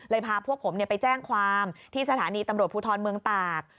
พาพวกผมไปแจ้งความที่สถานีตำรวจภูทรเมืองตาก